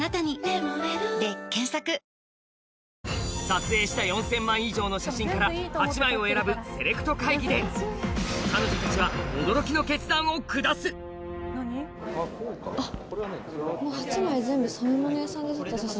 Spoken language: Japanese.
撮影した４０００枚以上の写真から８枚を選ぶセレクト会議で彼女たちはあっ。